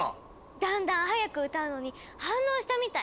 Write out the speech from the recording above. だんだん速く歌うのに反応したみたい。